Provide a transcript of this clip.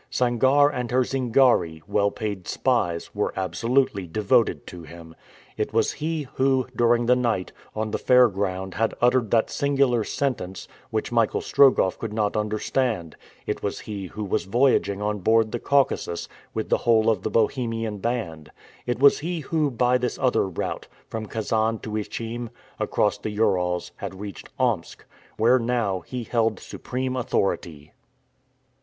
Sangarre and her Zingari, well paid spies, were absolutely devoted to him. It was he who, during the night, on the fair ground had uttered that singular sentence, which Michael Strogoff could not understand; it was he who was voyaging on board the Caucasus, with the whole of the Bohemian band; it was he who, by this other route, from Kasan to Ichim, across the Urals, had reached Omsk, where now he held supreme authority.